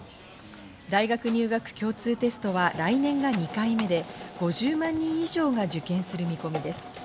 大学入学共通テストは来年が２回目で、５０万人以上が受験する見込みです。